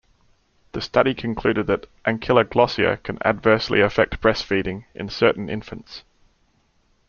The study concluded that ankyloglossia can adversely affect breastfeeding in certain infants.